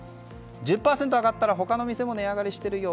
１０％上がったら他の店も値上がりしているよ。